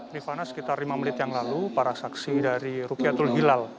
rifana sekitar lima menit yang lalu para saksi dari rukiatul hilal